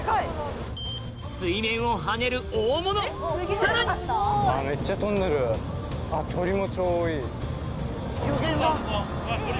水面を跳ねる大物さらに鳥も超多い。